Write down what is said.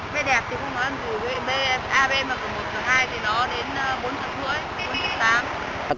vé đẹp thì không có ăn rượu ab mà có một và hai thì nó đến bốn chục rưỡi